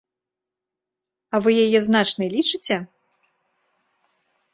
А вы яе значнай лічыце?